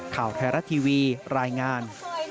ข่าวไทยรัฐทีวีรายงาน